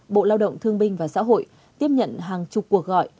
bộ lao động thương binh và xã hội tiếp nhận hàng chục cuộc gọi